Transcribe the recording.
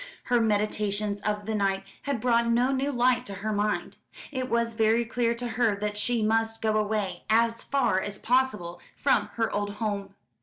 Her meditations of the night had brought no new light to her mind. It was very clear to her that she must go away as far as possible from her old home.